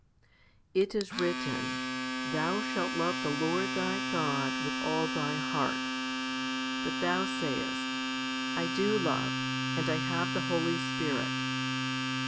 15. It is written, Thou shall love the Lord thy God with all thy heart* But thou sayest, " I do love ; and I have the Holy Spirit."